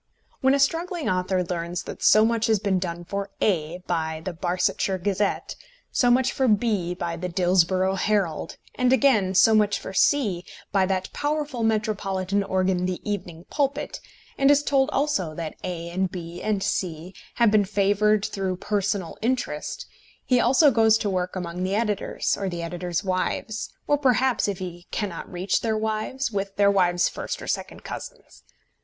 When a struggling author learns that so much has been done for A by the Barsetshire Gazette, so much for B by the Dillsborough Herald, and, again, so much for C by that powerful metropolitan organ the Evening Pulpit, and is told also that A and B and C have been favoured through personal interest, he also goes to work among the editors, or the editors' wives, or perhaps, if he cannot reach their wives, with their wives' first or second cousins.